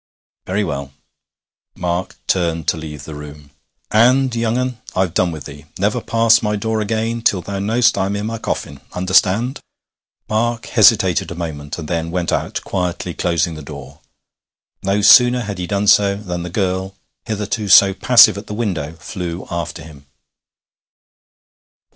'Very well.' Mark turned to leave the room. 'And, young un, I've done with thee. Never pass my door again till thou know'st I'm i' my coffin. Understand?' Mark hesitated a moment, and then went out, quietly closing the door. No sooner had he done so than the girl, hitherto so passive at the window, flew after him.